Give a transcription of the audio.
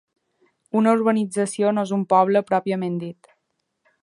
Una urbanització no és un poble pròpiament dit.